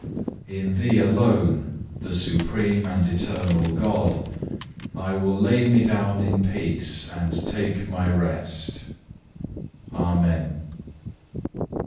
In Thee alone, the supreme and eternal God, I will lay me down in peace and take my rest.(1) Amen.